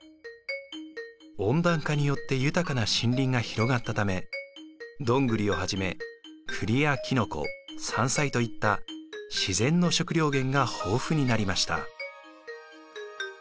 温暖化によって豊かな森林が広がったためドングリをはじめクリやキノコ山菜といった自然の食料源が豊富になりました。